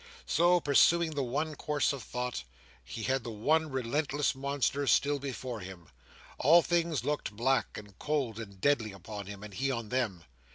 So, pursuing the one course of thought, he had the one relentless monster still before him. All things looked black, and cold, and deadly upon him, and he on them.